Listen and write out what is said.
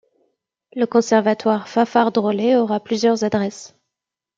Le Conservatoire Fafard-Drolet aura plusieurs adresses.